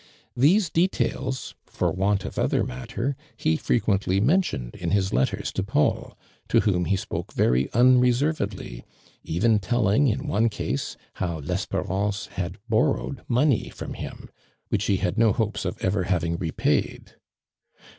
These details, for Want of other matter, he frequently motioned in his letters to Paul, to whom h^ tfjSoke very unreservedly, oven telling in oM ceme how Lesperancc had borrowed money from hirti which he had no hopefs of ever having repaid.